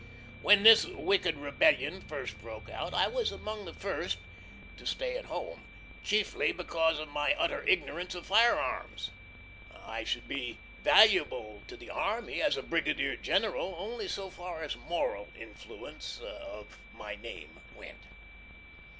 When this wicked rebellion first broke out I was among the first to stay at home chiefly because of my utter ignorance of firearms. I should be valuable to the army as a Brigadier General only so far as the moral influence of my name went.